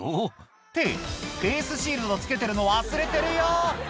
って、フェースシールドつけてるの忘れてるよ。